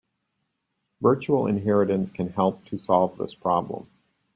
Virtual inheritance can help to solve this problem.